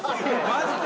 マジで？